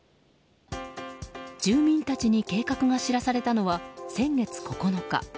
住民たちに計画が知らされたのは先月９日。